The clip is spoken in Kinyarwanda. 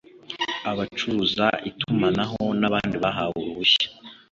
abacuruza itumanaho n abandi bahawe uruhushya